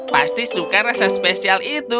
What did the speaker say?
pasti suka rasa spesial itu